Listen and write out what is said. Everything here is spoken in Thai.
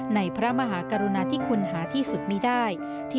พระมหากรุณาที่คุณหาที่สุดมีได้